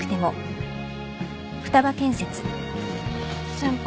先輩。